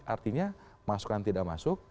artinya masukan tidak masuk